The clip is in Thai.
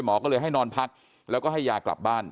หมอก็เลยให้นอนพักแล้วก็ให้ยากลับบ้าน